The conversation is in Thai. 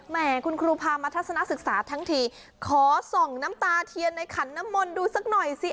แม่คุณครูพามาทัศนศึกษาทั้งทีขอส่องน้ำตาเทียนในขันน้ำมนต์ดูสักหน่อยสิ